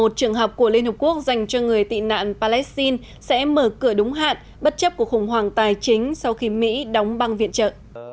bảy trăm một mươi một trường học của liên hợp quốc dành cho người tị nạn palestine sẽ mở cửa đúng hạn bất chấp của khủng hoảng tài chính sau khi mỹ đóng băng viện trợ